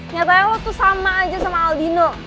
nyatanya lo tuh sama aja sama aldino